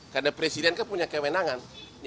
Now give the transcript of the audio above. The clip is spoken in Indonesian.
karena presiden kan punya kewenangan